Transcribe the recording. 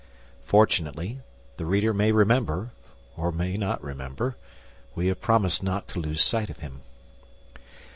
Fortunately, the reader may remember, or may not remember—fortunately we have promised not to lose sight of him.